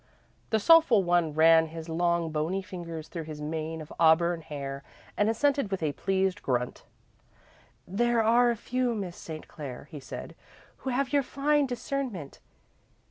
The soulful one ran his long, bony fingers through his mane of auburn hair, and assented with a pleased grunt. "There are few, Miss St. Clair," he said, "who have your fine discernment.